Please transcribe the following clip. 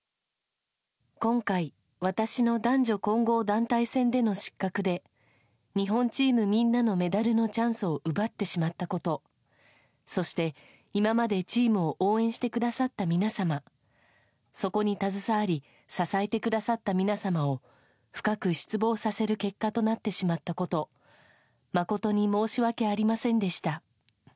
今回、私の男女混合団体戦での失格で、日本チームみんなのメダルのチャンスを奪ってしまったこと、そして、今までチームを応援してくださった皆様、そこに携わり、支えてくださった皆様を、深く失望させる結果となってしまったこと、誠に申し訳ありませんでした。